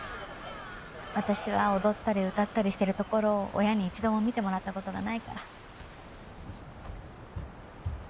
私は踊ったり歌ったりしてるところを親に一度も見てもらったことがないから。